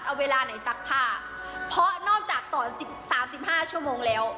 เอาเวลาไหนซักผ้าเพราะนอกจากสอนสิบสามสิบห้าชั่วโมงแล้ว